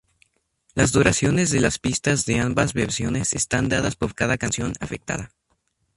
Las duraciones de las pistas de ambas versiones están dadas por cada canción afectada.